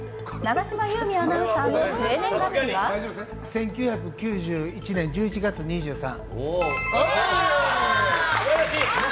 １９９１年１１月２３。